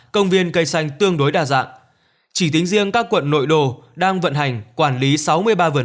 công viên cây xanh tương đối đa dạng chỉ tính riêng các quận nội đồ đang vận hành quản lý sáu mươi ba vườn